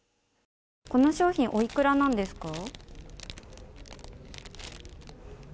この商品おいくらなんですか。